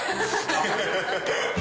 ハハハッ。